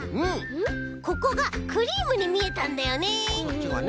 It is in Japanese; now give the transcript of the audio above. ここがクリームにみえたんだよね。